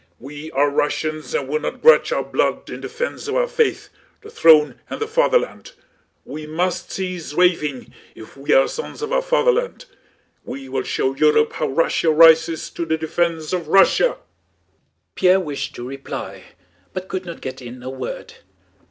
"We are Russians and will not grudge our blood in defense of our faith, the throne, and the Fatherland! We must cease raving if we are sons of our Fatherland! We will show Europe how Russia rises to the defense of Russia!" Pierre wished to reply, but could not get in a word.